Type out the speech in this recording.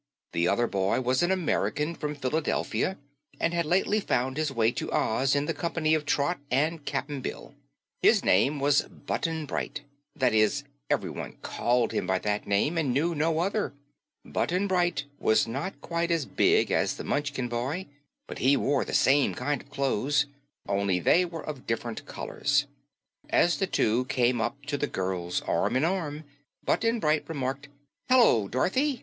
The other boy was an American from Philadelphia and had lately found his way to Oz in the company of Trot and Cap'n Bill. His name was Button Bright; that is, everyone called him by that name and knew no other. Button Bright was not quite as big as the Munchkin boy, but he wore the same kind of clothes, only they were of different colors. As the two came up to the girls, arm in arm, Button Bright remarked, "Hello, Dorothy.